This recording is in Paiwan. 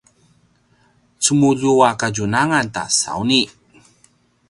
cemulju a kadjunangan ta sauni